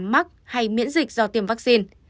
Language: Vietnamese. mắc hay miễn dịch do tiêm vaccine